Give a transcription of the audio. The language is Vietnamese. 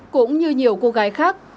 cũng như nhiều cô gái khác